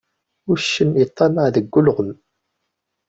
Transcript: Uccen iṭṭammaɛ deg ulɣem.